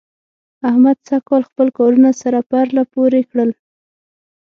احمد سږکال خپل کارونه سره پرله پورې کړل.